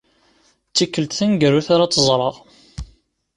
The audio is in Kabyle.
D tikelt taneggarut ara tt-ẓreɣ.